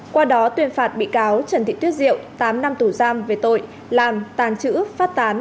qua đó tuyên phạt bị cáo trần thị tuyết diệu tám năm tù giam về tội làm tàn trữ phát tán